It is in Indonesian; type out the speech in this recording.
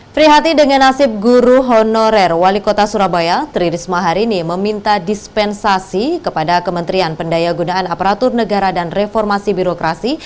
prihati dengan nasib guru honorer wali kota surabaya tri risma hari ini meminta dispensasi kepada kementerian pendaya gunaan aparatur negara dan reformasi birokrasi